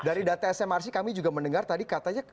dari data smrc kami juga mendengar tadi katanya